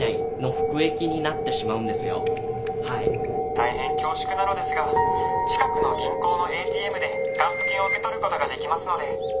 大変恐縮なのですが近くの銀行のＡＴＭで還付金を受け取ることができますので。